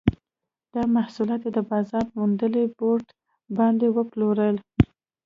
دا محصولات یې د بازار موندنې بورډ باندې وپلورل.